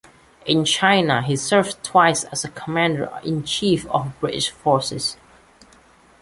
In China, he served twice as commander-in-chief of British forces.